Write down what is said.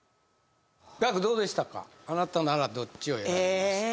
あなたならどっちを選びますか？